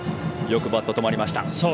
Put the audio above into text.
よくバットが止まりました。